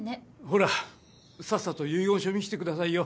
ほらさっさと遺言書見せてくださいよ。